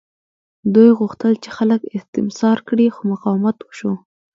دوی غوښتل چې خلک استثمار کړي خو مقاومت وشو.